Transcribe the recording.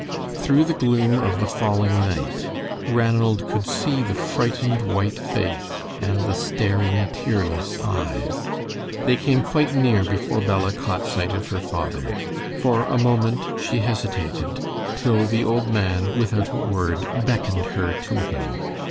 Through the gloom of the falling night Ranald could see the frightened white face and the staring, tearless eyes. They came quite near before Bella caught sight of her father. For a moment she hesitated, till the old man, without a word, beckoned her to him.